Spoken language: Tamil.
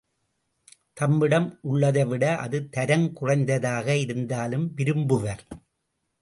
தம்மிடம் உள்ளதைவிட அது தரம் குறைந்ததாக இருந்தாலும் விரும்புவர்.